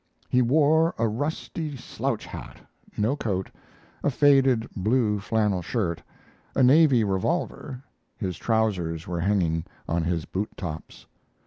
He wore a rusty slouch hat, no coat, a faded blue flannel shirt, a Navy revolver; his trousers were hanging on his boot tops.